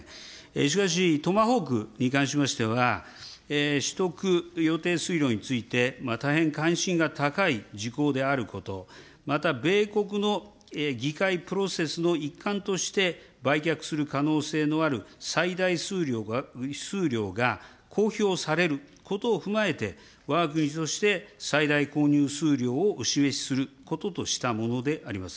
しかし、トマホークに関しましては、取得予定数量について大変関心が高い事項であること、また、米国の議会プロセスの一環として売却する可能性のある最大数量が公表されることを踏まえて、わが国として最大購入数量をお示しすることとしたものであります。